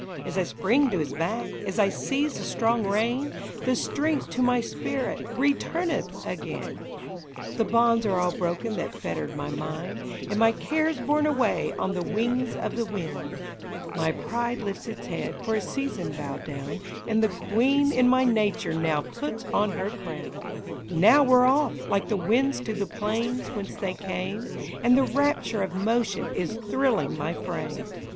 As I spring to his back, as I seize the strong rein, The strength to my spirit retumeth again I The bonds are all broken that fettered my mind,^ And my cares borne away on the wings of the wind ; My pride lifts its head, for a season bowed down, And the queen in my nature now puts on her crown ! Now we 're off — like the winds to the plains whence they came ; And the rapture of motion is thrilling my frame